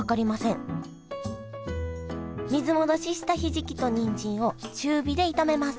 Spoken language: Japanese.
水戻ししたひじきとにんじんを中火で炒めます